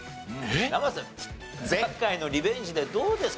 前回のリベンジでどうですか？